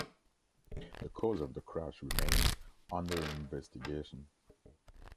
The cause of the crash remains under investigation.